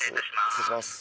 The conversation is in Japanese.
失礼いたします。